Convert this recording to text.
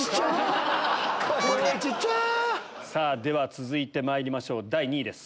続いてまいりましょう第２位です。